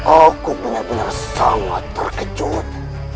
aku benar benar sangat terkejut